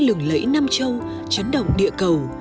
lừng lẫy nam châu chấn động địa cầu